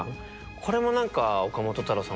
これも何か岡本太郎さん